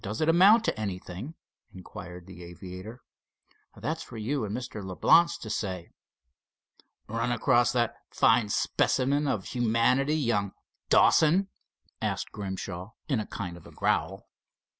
"Does it amount to anything?" inquired the aviator. "That's for you and Mr. Leblance to say." "Run across that fine specimen of humanity, young Dawson?" asked Grimshaw, in a kind of a growl.